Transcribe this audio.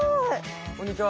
こんにちは。